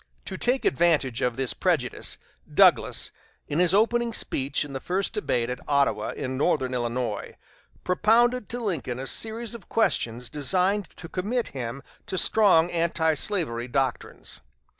To take advantage of this prejudice, Douglas, in his opening speech in the first debate at Ottawa in northern Illinois, propounded to Lincoln a series of questions designed to commit him to strong antislavery doctrines.